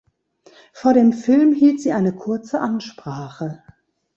Vor dem Film hielt sie eine kurze Ansprache.